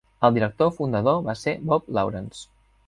El director fundador va ser Bob Lawrence.